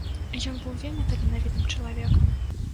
Ён быў вельмі таленавітым чалавекам.